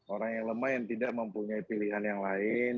orang yang lemah yang tidak mempunyai pilihan yang lain